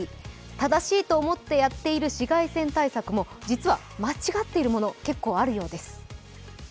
正しいと思ってやっている紫外線対策も実は間違っているもの、結構あるようです。